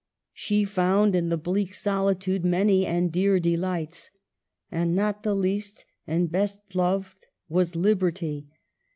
She found in the bleak solitude many and dear delights ; and not the least and best loved was liberty.